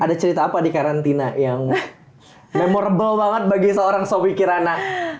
ada cerita apa di karantina yang memorable banget bagi seorang sopi kirana